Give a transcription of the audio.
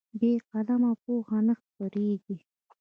بې قلمه پوهه نه خپرېږي.